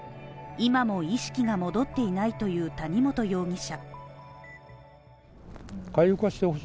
今も意識が戻っていないという谷本容疑者。